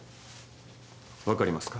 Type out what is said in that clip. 分かりますか？